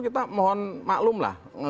kita mohon maklumlah